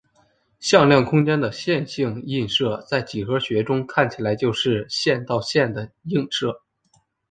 向量空间的线性映射在几何学中看起来就是线到线的映射。